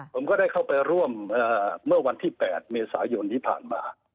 ผมก็ได้เข้าไปร่วมเมื่อวันที่๘เมษายนที่ผ่านมา